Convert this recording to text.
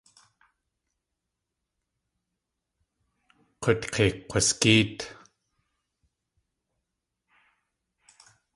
K̲ut kei kg̲wasgéet.